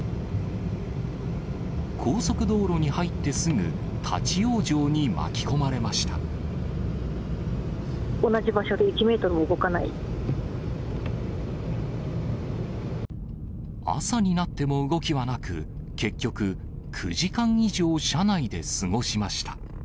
高速道路に入ってすぐ、立往生に同じ場所で１メートルも動か朝になっても動きはなく、結局、９時間以上、車内で過ごしました。